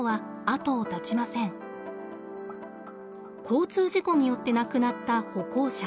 交通事故によって亡くなった歩行者。